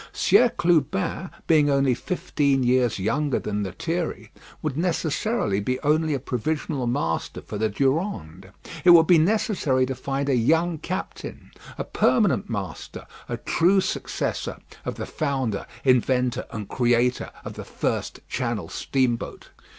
Sieur Clubin being only fifteen years younger than Lethierry, would necessarily be only a provisional master for the Durande. It would be necessary to find a young captain, a permanent master, a true successor of the founder, inventor, and creator of the first channel steamboat.